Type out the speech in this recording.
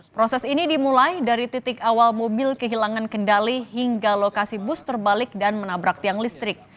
proses ini dimulai dari titik awal mobil kehilangan kendali hingga lokasi bus terbalik dan menabrak tiang listrik